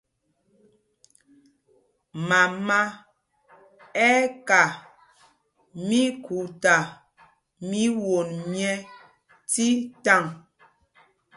Mama ɛ́ ɛ́ ka míkhuta mí won myɛ́ tí taŋ.